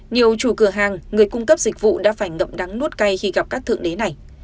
nhiều chủ cửa hàng người cung cấp dịch vụ đã phải ngậm đắng nuốt cay khi gặp các thượng đế này